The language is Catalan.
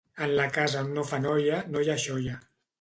En la casa a on no fan olla no hi ha xolla.